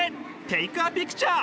テークアピクチャー！